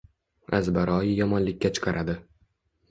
azbaroyi yomonlikka chiqaradi.